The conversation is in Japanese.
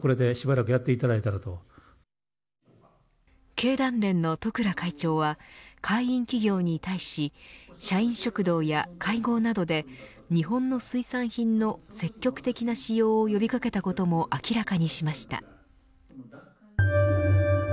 経団連の十倉会長は会員企業に対し社員食堂や会合などで日本の水産品の積極的な使用を呼び掛けたことも明らかにしました。